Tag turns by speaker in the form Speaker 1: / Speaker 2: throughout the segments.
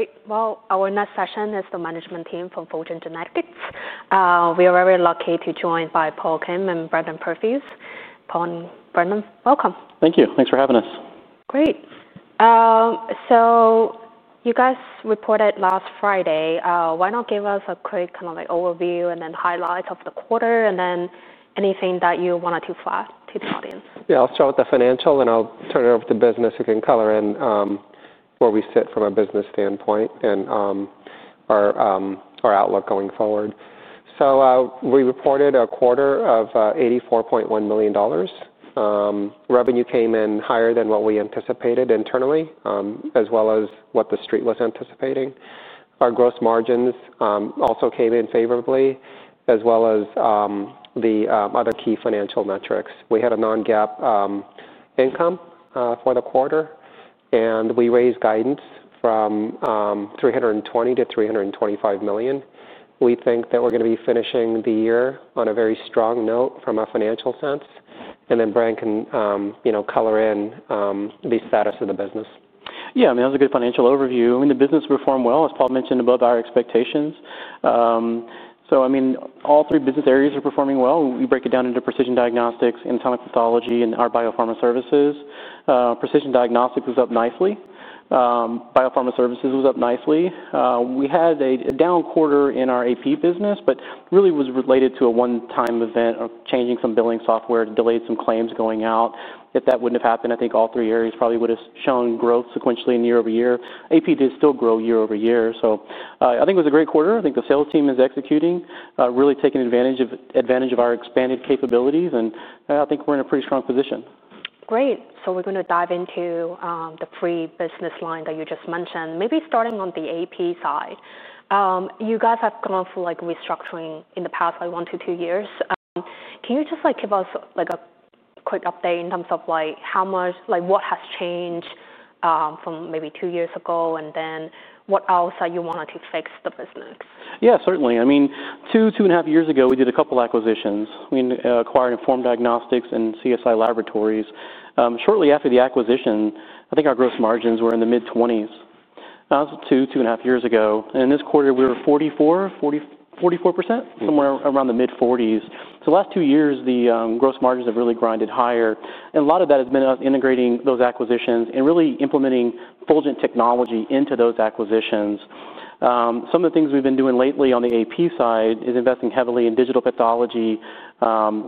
Speaker 1: Perfect. Great. Our next session is the management team from Fulgent Genetics. We are very lucky to be joined by Paul Kim and Brandon Perthuis. Paul and Brandon, welcome.
Speaker 2: Thank you. Thanks for having us.
Speaker 1: Great. So you guys reported last Friday. Why not give us a quick kind of like overview and then highlights of the quarter, and then anything that you wanted to flag to the audience?
Speaker 2: Yeah. I'll start with the financial, then I'll turn it over to business who can color in where we sit from a business standpoint and our outlook going forward. So, we reported a quarter of $84.1 million. Revenue came in higher than what we anticipated internally, as well as what the street was anticipating. Our gross margins also came in favorably, as well as the other key financial metrics. We had a non-GAAP income for the quarter, and we raised guidance from $320 million-$325 million. We think that we're gonna be finishing the year on a very strong note from a financial sense. And then Brandon can, you know, color in the status of the business.
Speaker 3: Yeah. I mean, that was a good financial overview. I mean, the business performed well, as Paul mentioned above, our expectations. I mean, all three business areas are performing well. We break it down into precision diagnostics, anatomic pathology, and our biopharma services. Precision diagnostics was up nicely. Biopharma services was up nicely. We had a down quarter in our AP business, but really was related to a one-time event of changing some billing software and delayed some claims going out. If that would not have happened, I think all three areas probably would have shown growth sequentially year-over-year. AP did still grow year over year. I think it was a great quarter. I think the sales team is executing, really taking advantage of our expanded capabilities, and I think we're in a pretty strong position.
Speaker 1: Great. So we're gonna dive into, the three business lines that you just mentioned. Maybe starting on the AP side, you guys have gone through like restructuring in the past, like one to two years. Can you just like give us like a quick update in terms of like how much, like what has changed, from maybe two years ago, and then what else that you wanted to fix the business?
Speaker 3: Yeah. Certainly. I mean, two, two and a half years ago, we did a couple acquisitions. We acquired Inform Diagnostics and CSI Laboratories. Shortly after the acquisition, I think our gross margins were in the mid-20s. That was two, two and a half years ago. And this quarter, we were 44%, 40%, 44%, somewhere around the mid-40s. The last two years, the gross margins have really grinded higher. A lot of that has been us integrating those acquisitions and really implementing Fulgent technology into those acquisitions. Some of the things we've been doing lately on the AP side is investing heavily in digital pathology,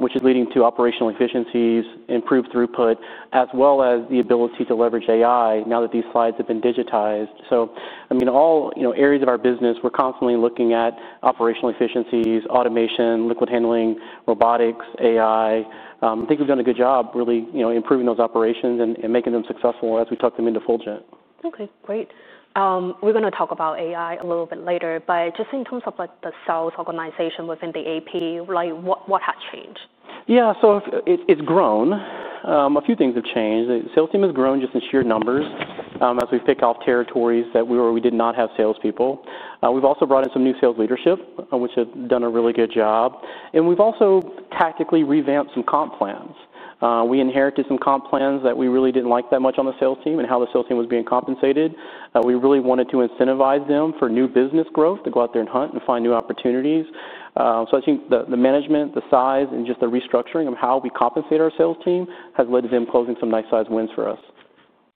Speaker 3: which is leading to operational efficiencies, improved throughput, as well as the ability to leverage AI now that these slides have been digitized. I mean, all, you know, areas of our business, we're constantly looking at operational efficiencies, automation, liquid handling, robotics, AI. I think we've done a good job really, you know, improving those operations and making them successful as we tuck them into Fulgent.
Speaker 1: Okay. Great. We're gonna talk about AI a little bit later, but just in terms of like the sales organization within the AP, like what, what has changed?
Speaker 3: Yeah. So it's grown. A few things have changed. The sales team has grown just in sheer numbers, as we pick off territories that we did not have salespeople. We've also brought in some new sales leadership, which have done a really good job. We've also tactically revamped some comp plans. We inherited some comp plans that we really didn't like that much on the sales team and how the sales team was being compensated. We really wanted to incentivize them for new business growth to go out there and hunt and find new opportunities. I think the management, the size, and just the restructuring of how we compensate our sales team has led to them closing some nice size wins for us.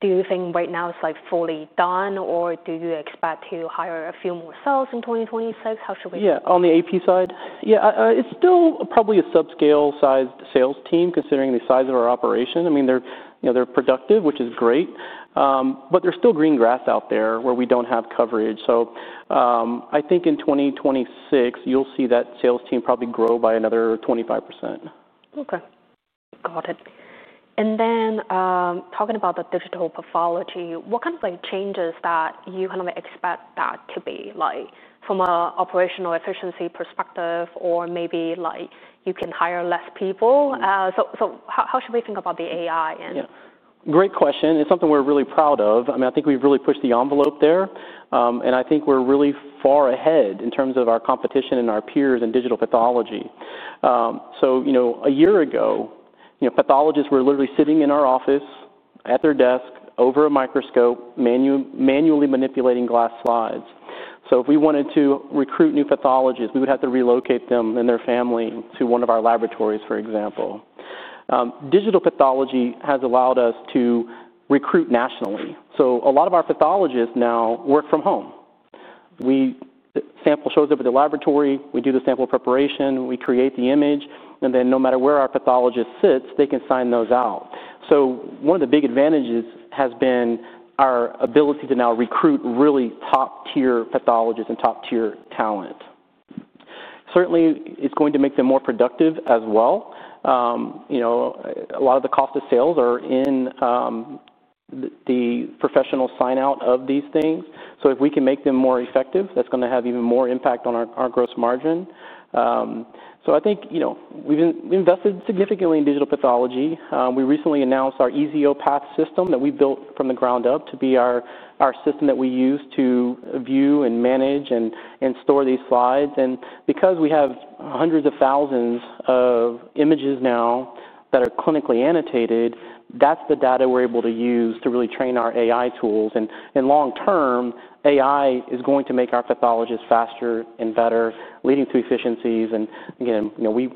Speaker 1: Do you think right now it's like fully done, or do you expect to hire a few more sales in 2026? How should we?
Speaker 3: Yeah. On the AP side, yeah. It's still probably a subscale-sized sales team considering the size of our operation. I mean, they're, you know, they're productive, which is great. But there's still green grass out there where we don't have coverage. So, I think in 2026, you'll see that sales team probably grow by another 25%.
Speaker 1: Okay. Got it. And then, talking about the digital pathology, what kind of like changes that you kind of expect that to be like from a operational efficiency perspective, or maybe like you can hire less people? So, so how, how should we think about the AI and?
Speaker 3: Yeah. Great question. It's something we're really proud of. I mean, I think we've really pushed the envelope there, and I think we're really far ahead in terms of our competition and our peers in digital pathology. You know, a year ago, pathologists were literally sitting in our office at their desk over a microscope, manually manipulating glass slides. If we wanted to recruit new pathologists, we would have to relocate them and their family to one of our laboratories, for example. Digital pathology has allowed us to recruit nationally. A lot of our pathologists now work from home. The sample shows up at the laboratory, we do the sample preparation, we create the image, and then no matter where our pathologist sits, they can sign those out. One of the big advantages has been our ability to now recruit really top-tier pathologists and top-tier talent. Certainly, it's going to make them more productive as well. You know, a lot of the cost of sales are in the professional sign-out of these things. If we can make them more effective, that's gonna have even more impact on our gross margin. I think, you know, we invested significantly in digital pathology. We recently announced our EZO Path System that we built from the ground up to be our system that we use to view and manage and store these slides. Because we have hundreds of thousands of images now that are clinically annotated, that's the data we're able to use to really train our AI tools. Long-term, AI is going to make our pathologists faster and better, leading to efficiencies. And again, you know, we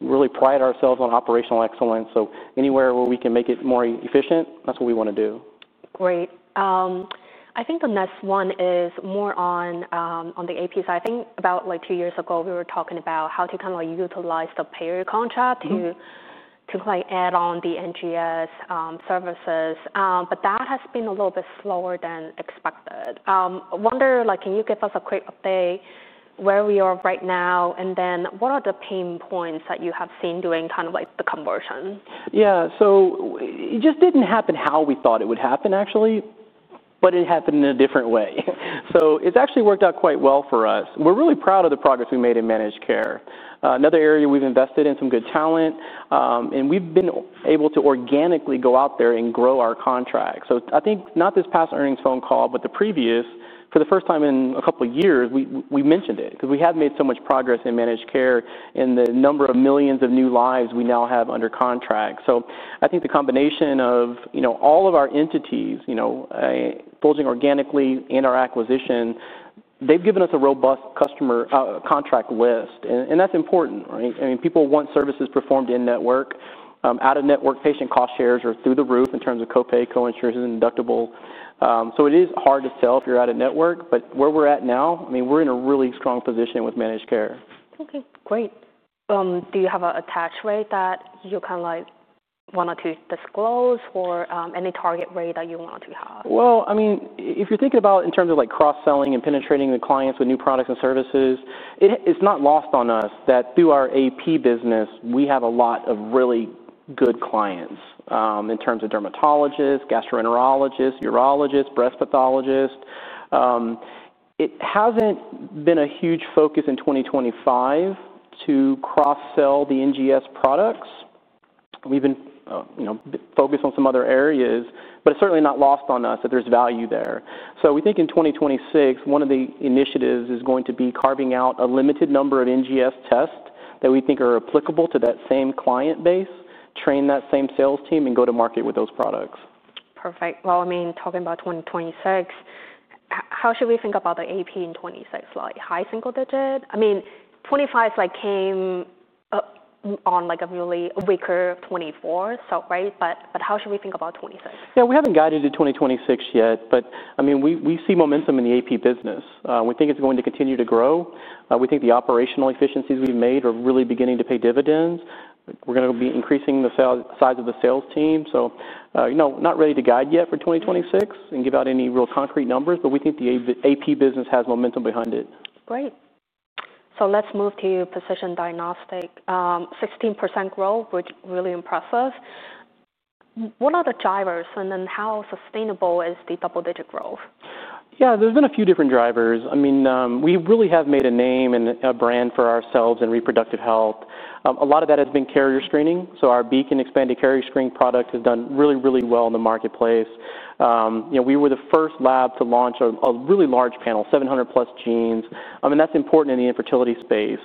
Speaker 3: really pride ourselves on operational excellence. So anywhere where we can make it more efficient, that's what we wanna do.
Speaker 1: Great. I think the next one is more on, on the AP side. I think about like two years ago, we were talking about how to kind of like utilize the payer contract to, to like add on the NGS services. That has been a little bit slower than expected. Wonder, like, can you give us a quick update where we are right now, and then what are the pain points that you have seen during kind of like the conversion?
Speaker 3: Yeah. It just didn't happen how we thought it would happen, actually, but it happened in a different way. It's actually worked out quite well for us. We're really proud of the progress we made in managed care. Another area we've invested in some good talent, and we've been able to organically go out there and grow our contract. I think not this past earnings phone call, but the previous, for the first time in a couple of years, we mentioned it 'cause we had made so much progress in managed care and the number of millions of new lives we now have under contract. I think the combination of all of our entities, Fulgent organically and our acquisition, they've given us a robust customer contract list. That's important, right? I mean, people want services performed in network, out of network, patient cost shares are through the roof in terms of copay, coinsurance, and deductible. It is hard to sell if you're out of network, but where we're at now, I mean, we're in a really strong position with managed care.
Speaker 1: Okay. Great. Do you have an attached rate that you can like wanted to disclose or, any target rate that you want to have?
Speaker 3: I mean, if you're thinking about in terms of like cross-selling and penetrating the clients with new products and services, it's not lost on us that through our AP business, we have a lot of really good clients, in terms of dermatologists, gastroenterologists, urologists, breast pathologists. It hasn't been a huge focus in 2025 to cross-sell the NGS products. We've been, you know, focused on some other areas, but it's certainly not lost on us that there's value there. We think in 2026, one of the initiatives is going to be carving out a limited number of NGS tests that we think are applicable to that same client base, train that same sales team, and go to market with those products.
Speaker 1: Perfect. I mean, talking about 2026, how should we think about the AP in 2026? Like high single digit? I mean, 2025's like came on like a really weaker 2024, right? How should we think about 2026?
Speaker 3: Yeah. We haven't guided to 2026 yet, but I mean, we see momentum in the AP business. We think it's going to continue to grow. We think the operational efficiencies we've made are really beginning to pay dividends. We're gonna be increasing the size of the sales team. You know, not ready to guide yet for 2026 and give out any real concrete numbers, but we think the AP business has momentum behind it.
Speaker 1: Great. Let's move to precision diagnostic. 16% growth, which really impressed us. What are the drivers, and then how sustainable is the double-digit growth?
Speaker 3: Yeah. There's been a few different drivers. I mean, we really have made a name and a brand for ourselves in reproductive health. A lot of that has been carrier screening. So our Beacon Expanded Carrier Screen product has done really, really well in the marketplace. You know, we were the first lab to launch a really large panel, 700-plus genes. I mean, that's important in the infertility space.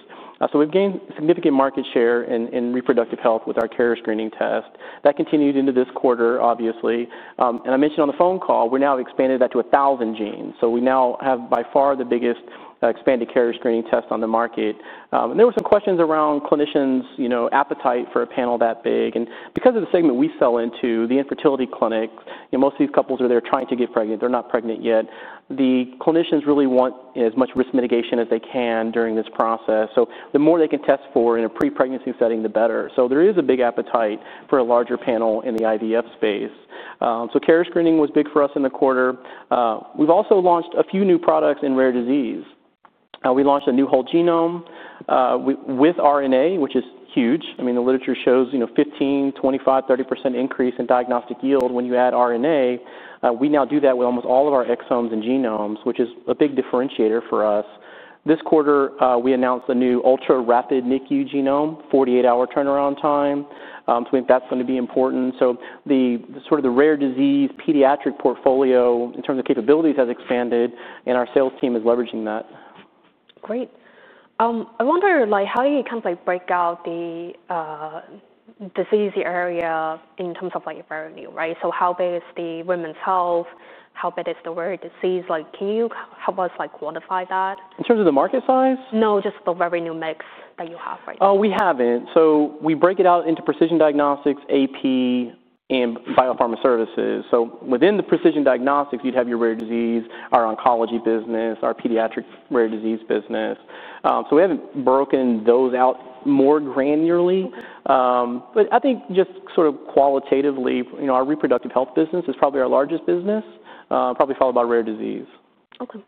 Speaker 3: So we've gained significant market share in reproductive health with our carrier screening test. That continued into this quarter, obviously. I mentioned on the phone call, we're now expanding that to 1,000 genes. We now have by far the biggest expanded carrier screening test on the market. There were some questions around clinicians', you know, appetite for a panel that big. Because of the segment we sell into, the infertility clinics, you know, most of these couples are there trying to get pregnant. They're not pregnant yet. The clinicians really want as much risk mitigation as they can during this process. The more they can test for in a pre-pregnancy setting, the better. There is a big appetite for a larger panel in the IVF space. Carrier screening was big for us in the quarter. We've also launched a few new products in rare disease. We launched a new whole genome, with RNA, which is huge. I mean, the literature shows, you know, 15%, 25%, 30% increase in diagnostic yield when you add RNA. We now do that with almost all of our exomes and genomes, which is a big differentiator for us. This quarter, we announced the new ultra-rapid NICU genome, 48-hour turnaround time. I think that's gonna be important. The sort of rare disease pediatric portfolio in terms of capabilities has expanded, and our sales team is leveraging that.
Speaker 1: Great. I wonder like how do you kind of like break out the, disease area in terms of like revenue, right? So how big is the women's health? How big is the rare disease? Like, can you help us like quantify that?
Speaker 3: In terms of the market size?
Speaker 1: No, just the revenue mix that you have right now.
Speaker 3: Oh, we haven't. We break it out into precision diagnostics, AP, and biopharma services. Within the precision diagnostics, you'd have your rare disease, our oncology business, our pediatric rare disease business. We haven't broken those out more granularly. I think just sort of qualitatively, you know, our reproductive health business is probably our largest business, probably followed by rare disease.
Speaker 1: Okay.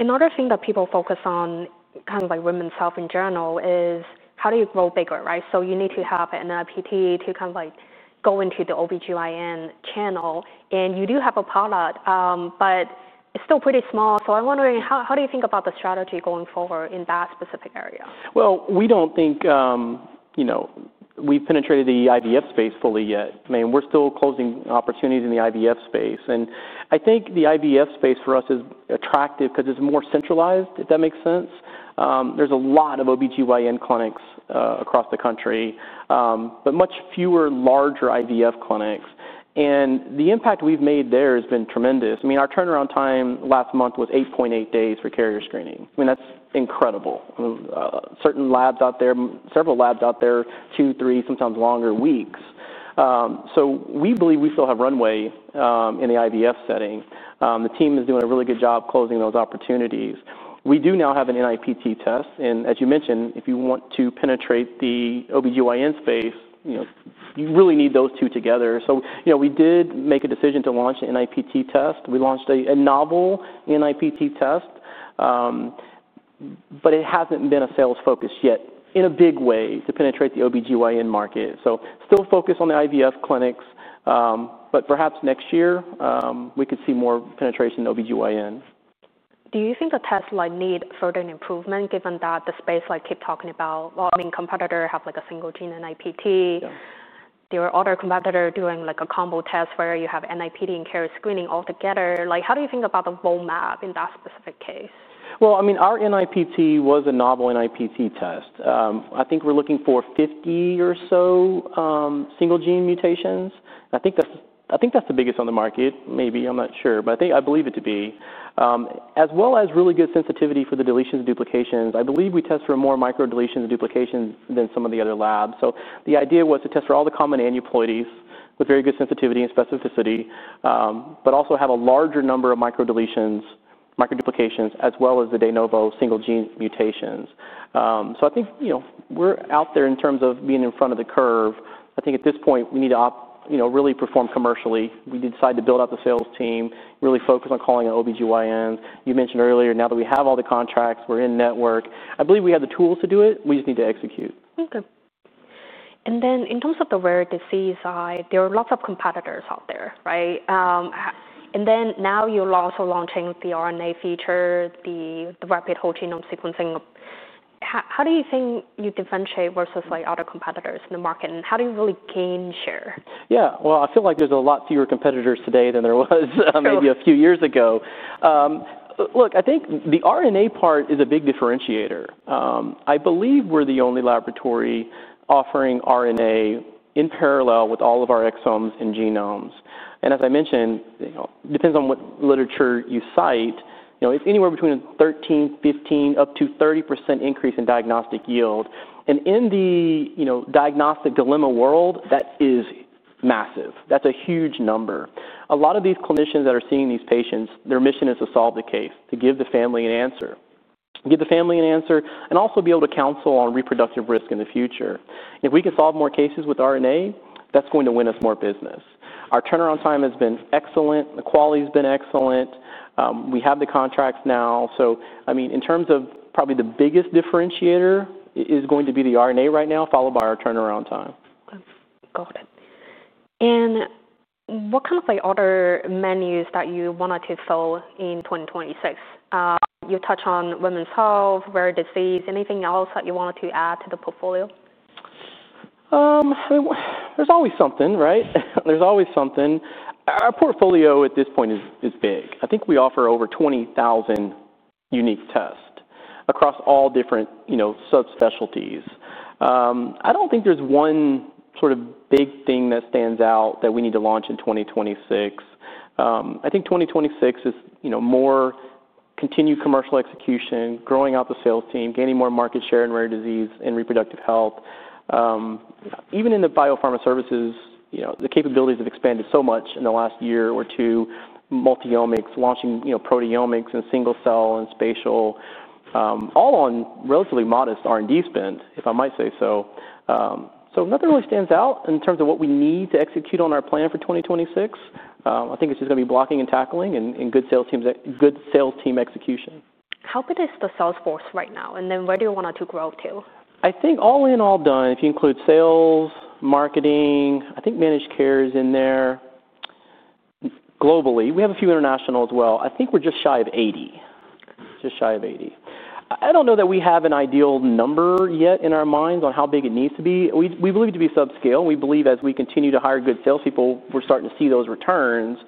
Speaker 1: Another thing that people focus on kind of like women's health in general is how do you grow bigger, right? You need to have an NIPT to kind of like go into the OB-GYN channel. You do have a product, but it's still pretty small. I'm wondering how, how do you think about the strategy going forward in that specific area?
Speaker 3: We don't think, you know, we've penetrated the IVF space fully yet. I mean, we're still closing opportunities in the IVF space. I think the IVF space for us is attractive 'cause it's more centralized, if that makes sense. There's a lot of OB-GYN clinics across the country, but much fewer larger IVF clinics. The impact we've made there has been tremendous. I mean, our turnaround time last month was 8.8 days for carrier screening. I mean, that's incredible. Certain labs out there, several labs out there, two, three, sometimes longer weeks. We believe we still have runway in the IVF setting. The team is doing a really good job closing those opportunities. We do now have an NIPT test. As you mentioned, if you want to penetrate the OB-GYN space, you know, you really need those two together. You know, we did make a decision to launch an NIPT test. We launched a novel NIPT test, but it hasn't been a sales focus yet in a big way to penetrate the OB-GYN market. Still focused on the IVF clinics, but perhaps next year, we could see more penetration in OB-GYN.
Speaker 1: Do you think the tests might need further improvement given that the space, like, keep talking about, I mean, competitor have like a single gene NIPT?
Speaker 3: Yeah.
Speaker 1: There are other competitors doing like a combo test where you have NIPT and carrier screening altogether. Like, how do you think about the role map in that specific case?
Speaker 3: I mean, our NIPT was a novel NIPT test. I think we're looking for 50 or so single-gene mutations. I think that's the biggest on the market, maybe. I'm not sure, but I believe it to be, as well as really good sensitivity for the deletions and duplications. I believe we test for more micro-deletions and duplications than some of the other labs. The idea was to test for all the common aneuploidies with very good sensitivity and specificity, but also have a larger number of micro-deletions, micro-duplications, as well as the de novo single-gene mutations. I think, you know, we're out there in terms of being in front of the curve. I think at this point, we need to, you know, really perform commercially. We decided to build out the sales team, really focus on calling OB-GYNs. You mentioned earlier, now that we have all the contracts, we're in network. I believe we have the tools to do it. We just need to execute.
Speaker 1: Okay. In terms of the rare disease, there are lots of competitors out there, right? Now you're also launching the RNA feature, the rapid whole genome sequencing. How do you think you differentiate versus like other competitors in the market, and how do you really gain share?
Speaker 3: Yeah. I feel like there's a lot fewer competitors today than there was, maybe a few years ago. Look, I think the RNA part is a big differentiator. I believe we're the only laboratory offering RNA in parallel with all of our exomes and genomes. As I mentioned, you know, depends on what literature you cite. You know, it's anywhere between a 13%, 15%, up to 30% increase in diagnostic yield. In the, you know, diagnostic dilemma world, that is massive. That's a huge number. A lot of these clinicians that are seeing these patients, their mission is to solve the case, to give the family an answer, give the family an answer, and also be able to counsel on reproductive risk in the future. If we can solve more cases with RNA, that's going to win us more business. Our turnaround time has been excellent. The quality's been excellent. We have the contracts now. I mean, in terms of probably the biggest differentiator, it is going to be the RNA right now, followed by our turnaround time.
Speaker 1: Got it. And what kind of like other menus that you wanted to sell in 2026? You touched on women's health, rare disease. Anything else that you wanted to add to the portfolio?
Speaker 3: There's always something, right? There's always something. Our portfolio at this point is big. I think we offer over 20,000 unique tests across all different, you know, subspecialties. I don't think there's one sort of big thing that stands out that we need to launch in 2026. I think 2026 is, you know, more continued commercial execution, growing out the sales team, gaining more market share in rare disease and reproductive health. Even in the biopharma services, you know, the capabilities have expanded so much in the last year or two, multi-omics, launching, you know, proteomics and single-cell and spatial, all on relatively modest R&D spend, if I might say so. Nothing really stands out in terms of what we need to execute on our plan for 2026. I think it's just gonna be blocking and tackling and good sales teams, good sales team execution.
Speaker 1: How big is the sales force right now? Where do you want it to grow to?
Speaker 3: I think all in, all done, if you include sales, marketing, I think managed care is in there globally. We have a few international as well. I think we're just shy of 80, just shy of 80. I don't know that we have an ideal number yet in our minds on how big it needs to be. We believe to be subscale. We believe as we continue to hire good salespeople, we're starting to see those returns.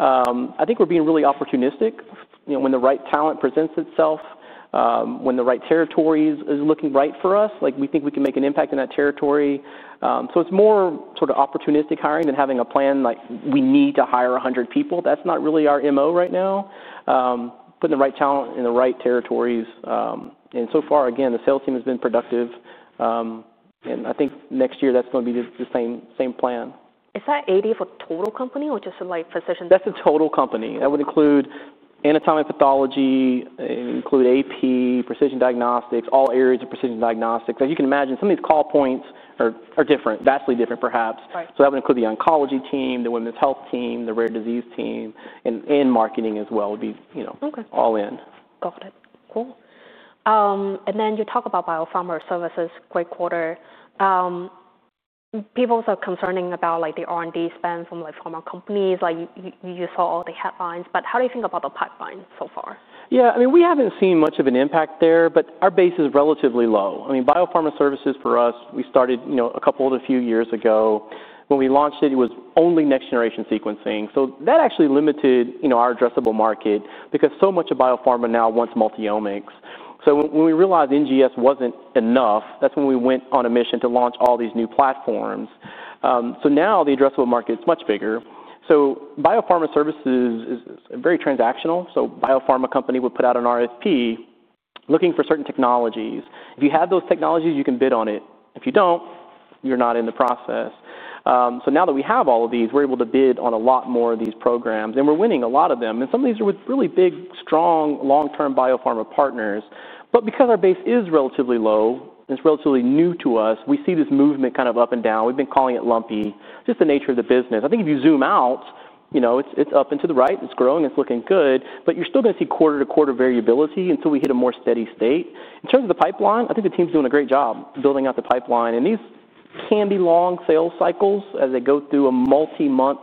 Speaker 3: I think we're being really opportunistic, you know, when the right talent presents itself, when the right territory is looking right for us, like we think we can make an impact in that territory. It is more sort of opportunistic hiring than having a plan like we need to hire 100 people. That's not really our MO right now. putting the right talent in the right territories, and so far, again, the sales team has been productive. I think next year that's gonna be the same, same plan.
Speaker 1: Is that 80 for total company, or just like precision?
Speaker 3: That's a total company. That would include anatomic pathology, include AP, precision diagnostics, all areas of precision diagnostics. As you can imagine, some of these call points are different, vastly different perhaps.
Speaker 1: Right.
Speaker 3: That would include the oncology team, the women's health team, the rare disease team, and, and marketing as well would be, you know, all in.
Speaker 1: Got it. Cool. And then you talk about biopharma services, great quarter. People are concerning about like the R&D spend from like pharma companies. Like, you saw all the headlines, but how do you think about the pipeline so far?
Speaker 3: Yeah. I mean, we haven't seen much of an impact there, but our base is relatively low. I mean, biopharma services for us, we started, you know, a couple of few years ago. When we launched it, it was only next-generation sequencing. That actually limited, you know, our addressable market because so much of biopharma now wants multi-omics. When we realized NGS wasn't enough, that's when we went on a mission to launch all these new platforms. Now the addressable market's much bigger. Biopharma services is very transactional. A biopharma company would put out an RFP looking for certain technologies. If you have those technologies, you can bid on it. If you don't, you're not in the process. Now that we have all of these, we're able to bid on a lot more of these programs, and we're winning a lot of them. Some of these are with really big, strong, long-term biopharma partners. Because our base is relatively low and it's relatively new to us, we see this movement kind of up and down. We've been calling it lumpy, just the nature of the business. I think if you zoom out, you know, it's up and to the right. It's growing. It's looking good. You're still gonna see quarter-to-quarter variability until we hit a more steady state. In terms of the pipeline, I think the team's doing a great job building out the pipeline. These can be long sales cycles as they go through a multi-month,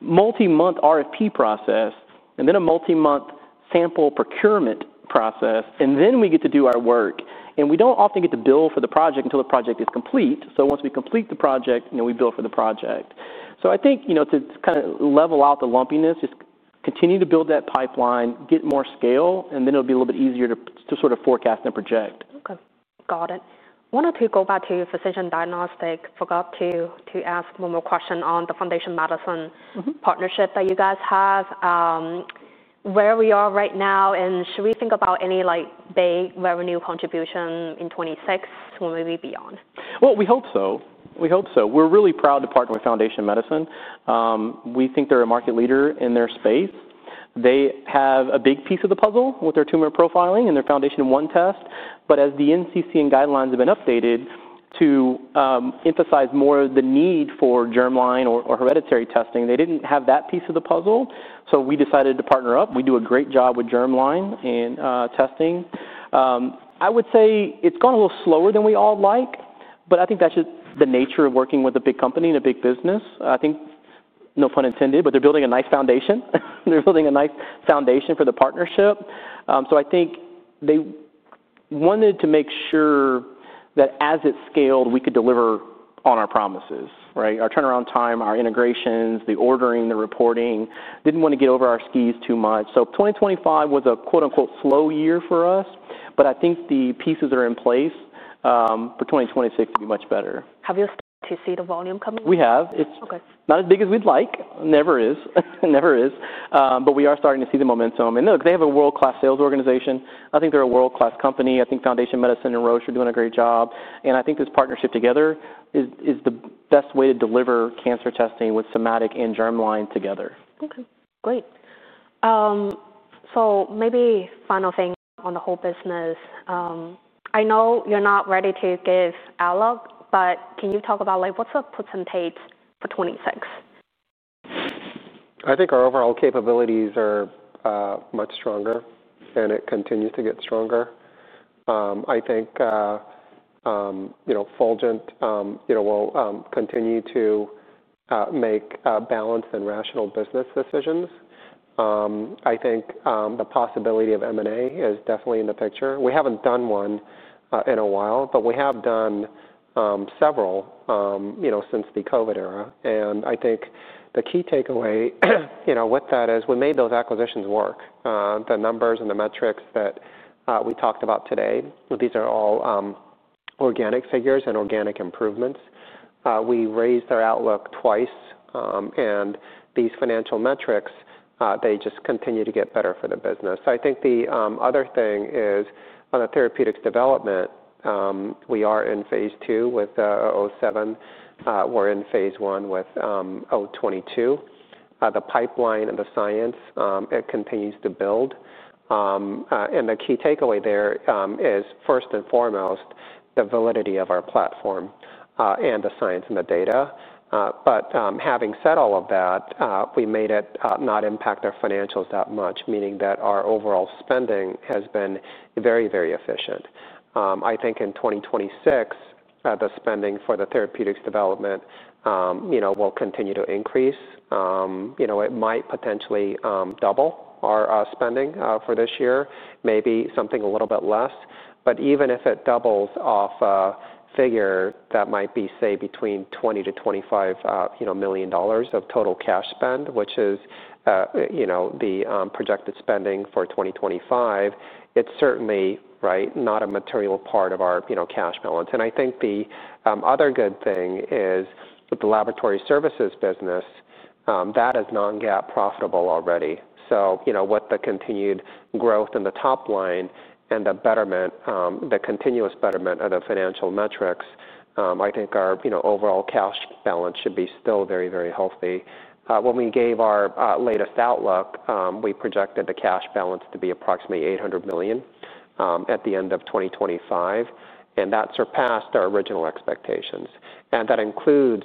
Speaker 3: multi-month RFP process, and then a multi-month sample procurement process, and then we get to do our work. We don't often get to bill for the project until the project is complete. Once we complete the project, you know, we bill for the project. I think, you know, to kind of level out the lumpiness, just continue to build that pipeline, get more scale, and then it'll be a little bit easier to sort of forecast and project.
Speaker 1: Okay. Got it. I wanted to go back to precision diagnostic. Forgot to ask one more question on the Foundation Medicine.
Speaker 3: Mm-hmm.
Speaker 1: Partnership that you guys have. Where we are right now, and should we think about any like big revenue contribution in 2026 or maybe beyond?
Speaker 3: We hope so. We hope so. We're really proud to partner with Foundation Medicine. We think they're a market leader in their space. They have a big piece of the puzzle with their tumor profiling and their FoundationOne test. As the NCCN guidelines have been updated to emphasize more of the need for germline or hereditary testing, they didn't have that piece of the puzzle. We decided to partner up. We do a great job with germline and testing. I would say it's gone a little slower than we all like, but I think that's just the nature of working with a big company and a big business. I think, no pun intended, but they're building a nice foundation. They're building a nice foundation for the partnership. I think they wanted to make sure that as it scaled, we could deliver on our promises, right? Our turnaround time, our integrations, the ordering, the reporting. Did not wanna get over our skis too much. 2025 was a quote-unquote slow year for us, but I think the pieces are in place, for 2026 to be much better.
Speaker 1: Have you started to see the volume coming?
Speaker 3: We have. It's not as big as we'd like. Never is, never is. But we are starting to see the momentum. And look, they have a world-class sales organization. I think they're a world-class company. I think Foundation Medicine and Roche are doing a great job. I think this partnership together is the best way to deliver cancer testing with somatic and germline together.
Speaker 1: Okay. Great. So maybe final thing on the whole business. I know you're not ready to give outlook, but can you talk about like what's the percentage for 2026?
Speaker 2: I think our overall capabilities are much stronger, and it continues to get stronger. I think, you know, Fulgent, you know, will continue to make balanced and rational business decisions. I think the possibility of M&A is definitely in the picture. We haven't done one in a while, but we have done several, you know, since the COVID era. I think the key takeaway, you know, with that is we made those acquisitions work. The numbers and the metrics that we talked about today, these are all organic figures and organic improvements. We raised their outlook twice, and these financial metrics, they just continue to get better for the business. I think the other thing is on the therapeutics development, we are in phase two with 007. We're in phase one with 022. The pipeline and the science, it continues to build. The key takeaway there is, first and foremost, the validity of our platform, and the science and the data. Having said all of that, we made it not impact our financials that much, meaning that our overall spending has been very, very efficient. I think in 2026, the spending for the therapeutics development, you know, will continue to increase. You know, it might potentially double our spending for this year, maybe something a little bit less. Even if it doubles off a figure that might be, say, between $20 million-$25 million of total cash spend, which is, you know, the projected spending for 2025, it is certainly, right, not a material part of our, you know, cash balance. I think the other good thing is with the laboratory services business, that is non-GAAP profitable already. You know, with the continued growth in the top line and the betterment, the continuous betterment of the financial metrics, I think our, you know, overall cash balance should be still very, very healthy. When we gave our latest outlook, we projected the cash balance to be approximately $800 million at the end of 2025, and that surpassed our original expectations. That includes,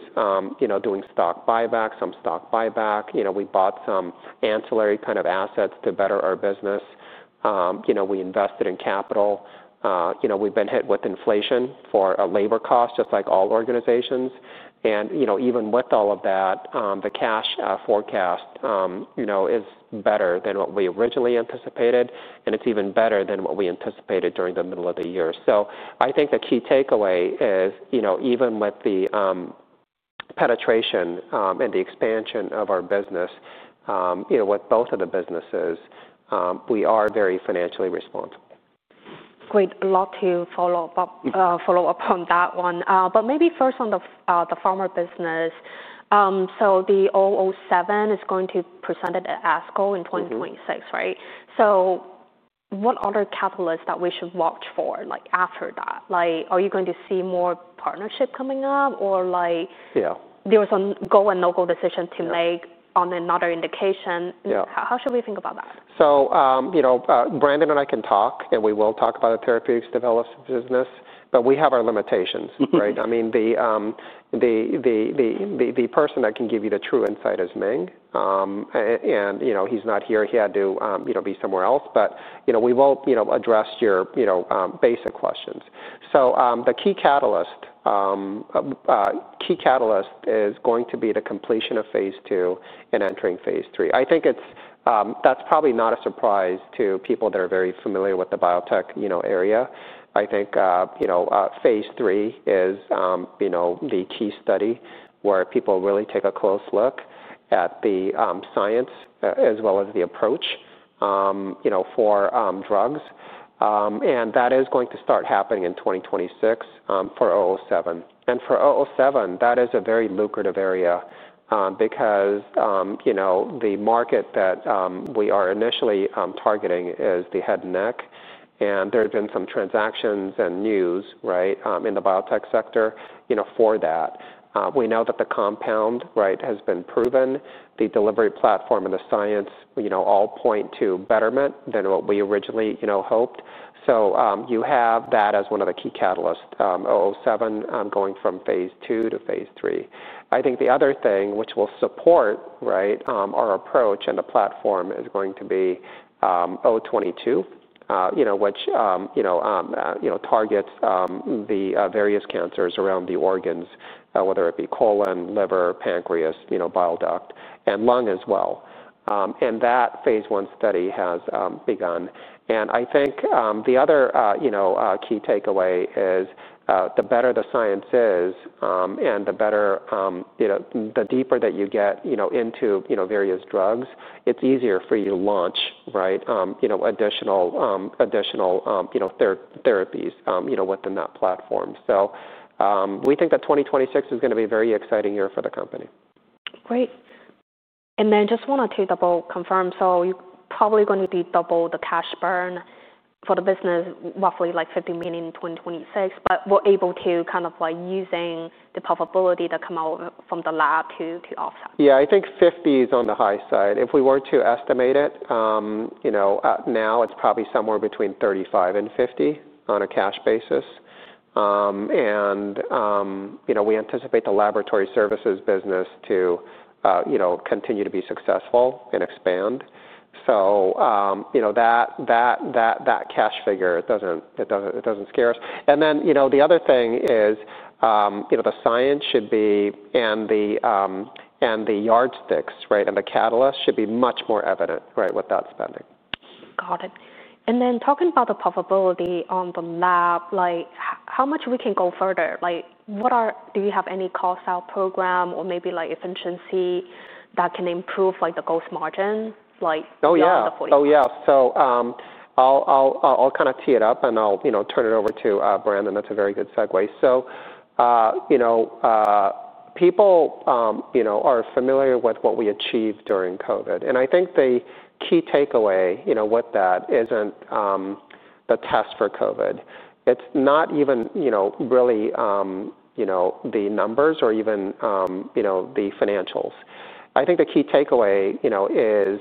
Speaker 2: you know, doing stock buyback, some stock buyback. You know, we bought some ancillary kind of assets to better our business. You know, we invested in capital. You know, we've been hit with inflation for a labor cost, just like all organizations. Even with all of that, the cash forecast, you know, is better than what we originally anticipated, and it's even better than what we anticipated during the middle of the year. I think the key takeaway is, you know, even with the penetration, and the expansion of our business, you know, with both of the businesses, we are very financially responsible.
Speaker 1: Great. A lot to follow up on that one. Maybe first on the pharma business. The 007 is going to present at ASCO in 2026, right? What other catalysts should we watch for after that? Are you going to see more partnership coming up or like.
Speaker 2: Yeah.
Speaker 1: There was a go and no-go decision to make on another indication.
Speaker 2: Yeah.
Speaker 1: How should we think about that?
Speaker 2: You know, Brandon and I can talk, and we will talk about the therapeutics development business, but we have our limitations, right? I mean, the person that can give you the true insight is Ming, and, you know, he's not here. He had to, you know, be somewhere else. But, you know, we will, you know, address your, you know, basic questions. The key catalyst, key catalyst is going to be the completion of phase two and entering phase three. I think that's probably not a surprise to people that are very familiar with the biotech, you know, area. I think, you know, phase three is, you know, the key study where people really take a close look at the science as well as the approach, you know, for drugs. That is going to start happening in 2026, for 007. For 007, that is a very lucrative area, because, you know, the market that we are initially targeting is the head and neck. There have been some transactions and news, right, in the biotech sector, you know, for that. We know that the compound, right, has been proven. The delivery platform and the science, you know, all point to betterment than what we originally, you know, hoped. You have that as one of the key catalysts, 007, going from phase two to phase three. I think the other thing which will support, right, our approach and the platform is going to be 022, you know, which, you know, targets the various cancers around the organs, whether it be colon, liver, pancreas, bile duct, and lung as well. That phase one study has begun. I think the other, you know, key takeaway is, the better the science is, and the better, you know, the deeper that you get, you know, into, you know, various drugs, it's easier for you to launch, right, you know, additional therapies, you know, within that platform. We think that 2026 is gonna be a very exciting year for the company.
Speaker 1: Great. I just wanted to double confirm. You're probably gonna double the cash burn for the business, roughly like $50 million in 2026, but we're able to kind of like using the probability that come out from the lab to offset?
Speaker 2: Yeah. I think 50 is on the high side. If we were to estimate it, you know, now it's probably somewhere between 35 and 50 on a cash basis. You know, we anticipate the laboratory services business to, you know, continue to be successful and expand. That cash figure, it doesn't scare us. You know, the other thing is, the science should be and the yardsticks, right, and the catalyst should be much more evident, right, with that spending.
Speaker 1: Got it. Talking about the probability on the lab, like how much we can go further? Like what are, do you have any cost-out program or maybe like efficiency that can improve like the gross margin?
Speaker 2: Oh yeah.
Speaker 1: For you.
Speaker 2: Oh yeah. I'll kind of tee it up and I'll, you know, turn it over to Brandon. That's a very good segue. You know, people are familiar with what we achieved during COVID. I think the key takeaway with that isn't the test for COVID. It's not even really the numbers or even the financials. I think the key takeaway is,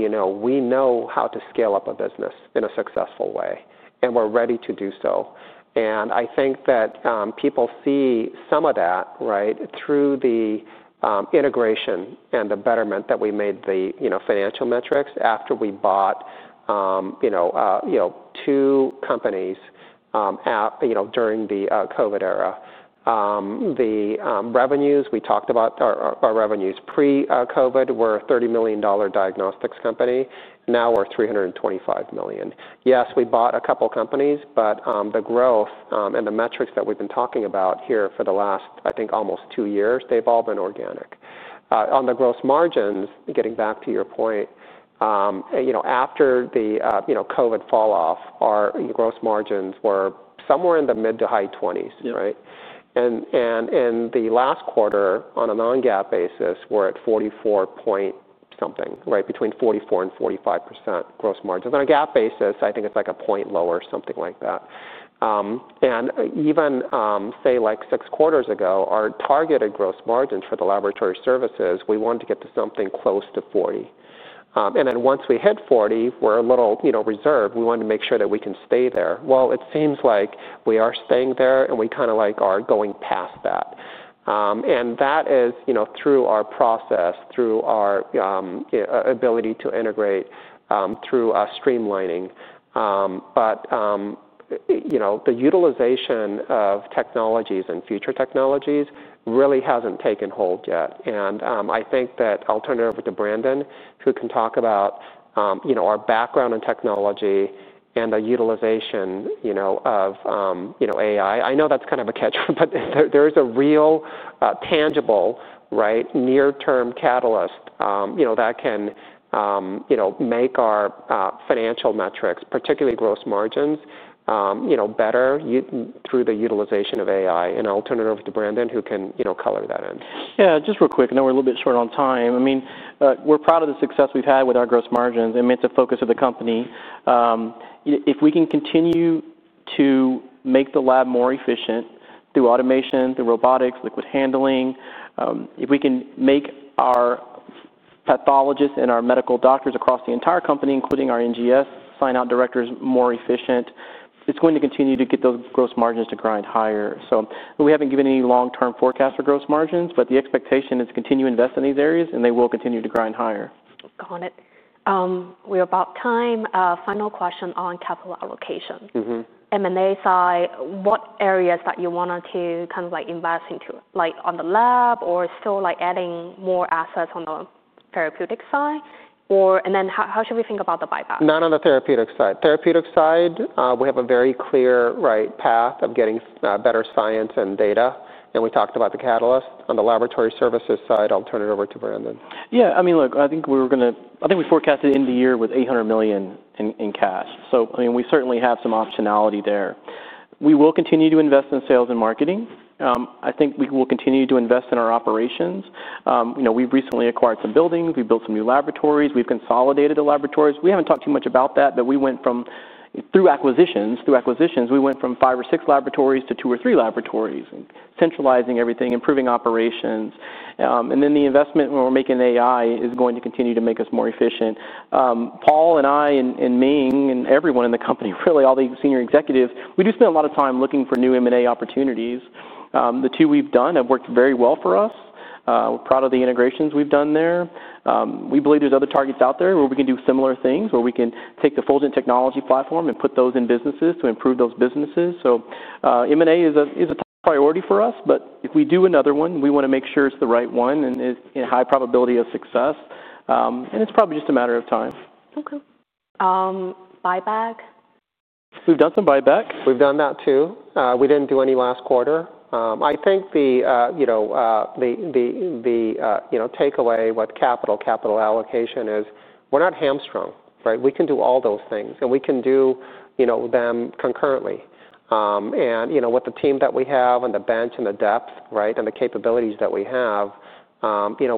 Speaker 2: you know, we know how to scale up a business in a successful way, and we're ready to do so. I think that people see some of that, right, through the integration and the betterment that we made to the financial metrics after we bought two companies during the COVID era. The revenues we talked about, our revenues pre-COVID were $30 million diagnostics company. Now we're $325 million. Yes, we bought a couple of companies, but the growth, and the metrics that we've been talking about here for the last, I think, almost two years, they've all been organic. On the gross margins, getting back to your point, you know, after the COVID falloff, our gross margins were somewhere in the mid to high 20s, right? And in the last quarter, on a non-GAAP basis, we're at 44% point something, right, between 44%-45% gross margins. On a GAAP basis, I think it's like a point lower, something like that. And even, say like six quarters ago, our targeted gross margins for the laboratory services, we wanted to get to something close to 40%. And then once we hit 40%, we're a little, you know, reserved. We wanted to make sure that we can stay there. It seems like we are staying there and we kind of are going past that. That is, you know, through our process, through our ability to integrate, through streamlining. You know, the utilization of technologies and future technologies really has not taken hold yet. I think that I will turn it over to Brandon, who can talk about, you know, our background in technology and the utilization, you know, of, you know, AI. I know that is kind of a catchword, but there is a real, tangible, right, near-term catalyst, you know, that can, you know, make our financial metrics, particularly gross margins, you know, better through the utilization of AI. I will turn it over to Brandon, who can, you know, color that in.
Speaker 3: Yeah. Just real quick. I know we're a little bit short on time. I mean, we're proud of the success we've had with our gross margins. It meant the focus of the company. If we can continue to make the lab more efficient through automation, through robotics, liquid handling, if we can make our pathologists and our medical doctors across the entire company, including our NGS sign-out directors, more efficient, it's going to continue to get those gross margins to grind higher. We haven't given any long-term forecast for gross margins, but the expectation is to continue to invest in these areas, and they will continue to grind higher.
Speaker 1: Got it. We're about time. Final question on capital allocation.
Speaker 2: Mm-hmm.
Speaker 1: M&A side, what areas that you wanted to kind of like invest into, like on the lab or still like adding more assets on the therapeutic side? Or how should we think about the buyback?
Speaker 2: Not on the therapeutic side. Therapeutic side, we have a very clear, right, path of getting better science and data. And we talked about the catalyst. On the laboratory services side, I'll turn it over to Brandon.
Speaker 3: Yeah. I mean, look, I think we were gonna, I think we forecasted end of year with $800 million in cash. So, I mean, we certainly have some optionality there. We will continue to invest in sales and marketing. I think we will continue to invest in our operations. You know, we've recently acquired some buildings. We built some new laboratories. We've consolidated the laboratories. We haven't talked too much about that, but we went from, through acquisitions, we went from five or six laboratories to two or three laboratories, centralizing everything, improving operations. And then the investment when we're making AI is going to continue to make us more efficient. Paul and I and, and Ming and everyone in the company, really all the senior executives, we do spend a lot of time looking for new M&A opportunities. The two we've done have worked very well for us. We're proud of the integrations we've done there. We believe there's other targets out there where we can do similar things, where we can take the Fulgent technology platform and put those in businesses to improve those businesses. M&A is a top priority for us, but if we do another one, we wanna make sure it's the right one and is in high probability of success. It's probably just a matter of time.
Speaker 1: Okay. buyback?
Speaker 2: We've done some buyback. We've done that too. We didn't do any last quarter. I think the takeaway with capital allocation is we're not hamstrung, right? We can do all those things, and we can do them concurrently. With the team that we have and the bench and the depth, right, and the capabilities that we have,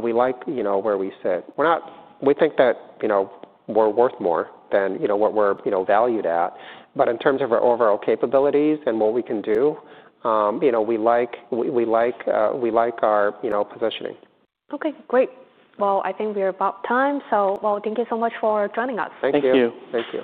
Speaker 2: we like where we sit. We think that we're worth more than what we're valued at. In terms of our overall capabilities and what we can do, we like our positioning.
Speaker 1: Okay. Great. I think we're about time. Thank you so much for joining us.
Speaker 2: Thank you.
Speaker 3: Thank you. Thank you.